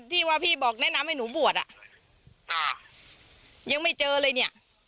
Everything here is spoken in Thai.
ที่ว่าพี่บอกแนะนำให้หนูบวชอ่ะอ่ายังไม่เจอเลยเนี่ย